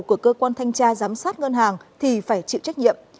của cơ quan thanh tra giám sát ngân hàng thì phải chịu trách nhiệm